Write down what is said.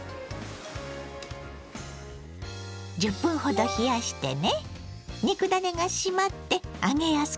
１０分ほど冷やしてね。